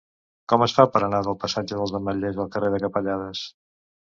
Com es fa per anar del passatge dels Ametllers al carrer de Capellades?